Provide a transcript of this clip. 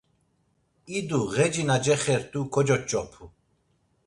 İdu ğeci na cexert̆u kocoç̌opu.